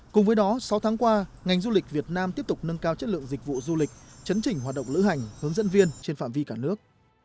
cùng với đó sáu tháng qua ngành du lịch việt nam tiếp tục nâng cao chất lượng dịch vụ du lịch chấn chỉnh hoạt động lữ hành hướng dẫn viên trên phạm vi cả nước